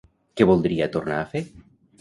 Què voldria tornar a fer?